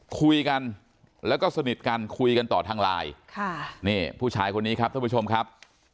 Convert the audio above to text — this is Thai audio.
คุยกันแล้วก็สนิทกันคุยกันต่อทางไลน์ค่ะนี่ผู้ชายคนนี้ครับท่านผู้ชมครับ